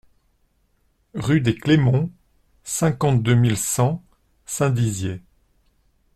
Rue des Clefmonts, cinquante-deux mille cent Saint-Dizier